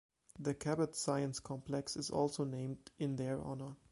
The Cabot Science Complex is also named in their honor.